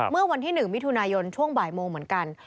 เมื่อวันที่๑มิถุนายนช่วงบ่ายโมงเหมือนกัน